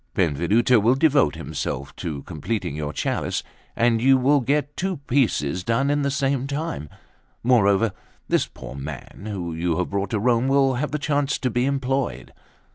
Benvenuto will devote himself to completing your chalice, and you will get two pieces done in the same time; moreover, this poor man, whom you have brought to Rome, will have the chance to be employed."